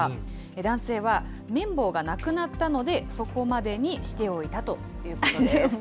男性は、綿棒がなくなったので、そこまでにしておいたということです。